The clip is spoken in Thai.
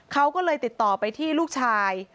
เขาก็เลยติดต่อไปที่ลูกชาย